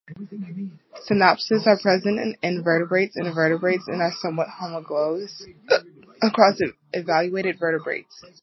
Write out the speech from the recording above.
Synapsins are present in invertebrates and vertebrates and are somewhat homologous across evaluated vertebrates.